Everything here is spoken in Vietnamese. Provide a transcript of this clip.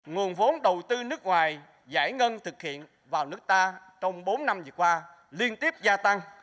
nguồn vốn đầu tư nước ngoài giải ngân thực hiện vào nước ta trong bốn năm vừa qua liên tiếp gia tăng